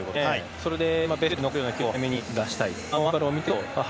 それでベスト８に残るような記録を早めに出したい。